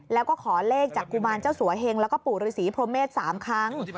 แล้วก็ขอเลขจากกุมารเจ้าสัวเฮงแล้วก็ปู่ฤษีพรหมเมษ๓ครั้ง